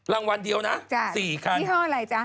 รางวัลเดียวนะ๔คัน